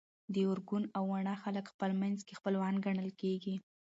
د ارګون او واڼه خلک خپل منځ کي خپلوان ګڼل کيږي